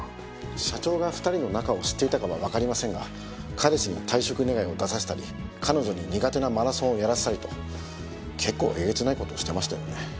社長が２人の仲を知っていたかはわかりませんが彼氏に退職願を出させたり彼女に苦手なマラソンをやらせたりと結構えげつない事をしてましたよね。